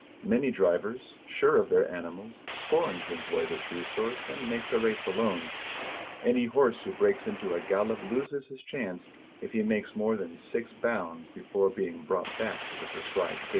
Many drivers, sure of their animals, scorn to employ this resource, and make the race alone. Any horse who breaks into a gallop loses his chance, if he makes more than six bounds before being brought back to the prescribed gait.